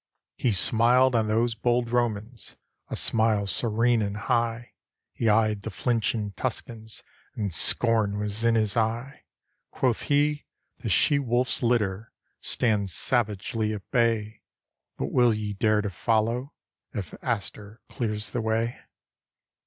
He smiled on those bold Romans A smile serene and high; He eyed the flinching Tuscans, And scorn was in his eye. Quoth he, ''The she wolf's litter Stand savagely at bay: But will ye dare to follow. If Astur clears the way